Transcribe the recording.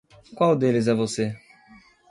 Qual deles é você?